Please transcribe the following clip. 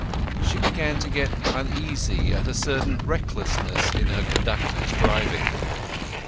She began to get uneasy at a certain recklessness in her conductor's driving.